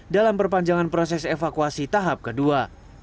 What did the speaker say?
dalam perpanjangan proses evakuasi tahap kedua